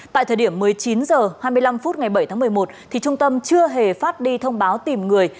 tại thời điểm một mươi chín h hai mươi năm phút ngày bảy tháng một mươi một trung tâm chưa hề phát đi thông báo tìm người